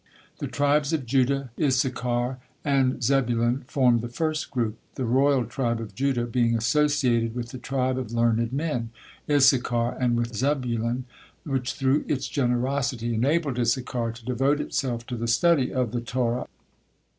The tribes of Judah, Issachar, and Zebulun formed the first group, the royal tribe of Judah being associated with the tribe of learned men, Issachar, and with Zebulun, which through its generosity enabled Issachar to devote itself to the study of the Torah.